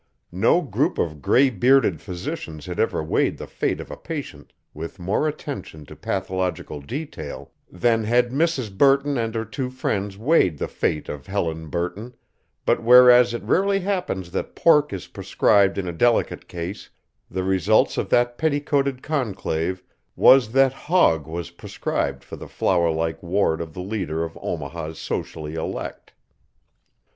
No group of gray bearded physicians had ever weighed the fate of a patient with more attention to pathological detail than had Mrs. Burton and her two friends weighed the fate of Helen Burton, but whereas it rarely happens that pork is prescribed in a delicate case, the result of that petticoated conclave was that Hogg was prescribed for the flower like ward of the leader of Omaha's socially elect.